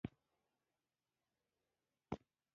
ایا زه باید پټ شم؟